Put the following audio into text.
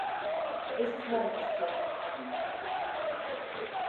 This is known as Clothall Common.